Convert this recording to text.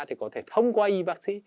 thì có thể thông qua y bác sĩ